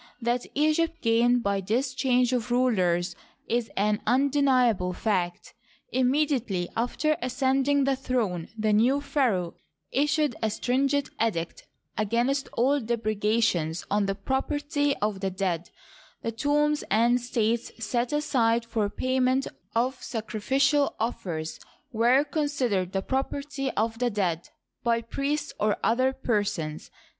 That Egypt gained by this change of rulers is an undeni able fact. Immediately after ascending the throne, the new pharaoh issued a stringent edict against all depreda tions on the property of the dead (the tombs and estates set aside for payment of sacrificial offers were considered the property of the dead) by priests or other persons.